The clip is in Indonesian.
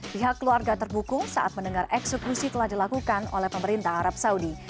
pihak keluarga terbuku saat mendengar eksekusi telah dilakukan oleh pemerintah arab saudi